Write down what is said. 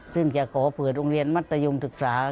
ซึ่งแก่ขอฝืนโรงเรียนมัธยุงศึกษา